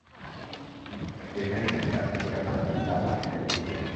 যেখানে নিজে যেতে পারছেন না, সেখানে পাঠাচ্ছেন তাঁর রানিং মেট টিম কেইনকে।